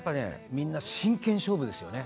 みんな真剣勝負ですよね